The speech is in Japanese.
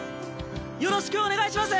よろしくお願いします！